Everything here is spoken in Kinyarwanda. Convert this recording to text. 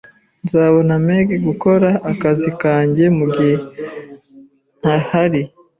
Nzabona Meg gukora akazi kanjye mugihe ntahari